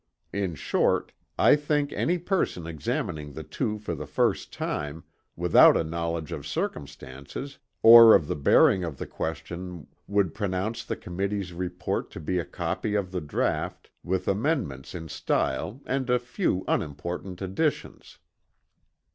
In short, I think any person examining the two for the first time, without a knowledge of circumstances, or of the bearing of the question, would pronounce the Committee's Report to be a copy of the Draught, with amendments in style, and a few unimportant additions.